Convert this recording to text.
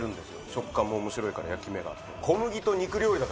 食感も面白いから焼き目があって。